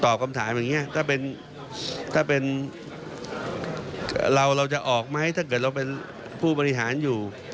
คำถามอย่างนี้ถ้าเป็นถ้าเป็นเราเราจะออกไหมถ้าเกิดเราเป็นผู้บริหารอยู่